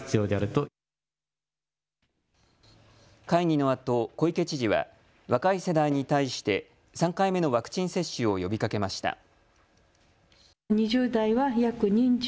会議のあと小池知事は若い世代に対して３回目のワクチン接種を呼びかけました。